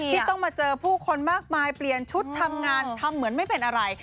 ที่ต้องมาเจอผู้คนมากมายเปลี่ยนชุดทำงานทำเหมือนไม่เป็นอะไร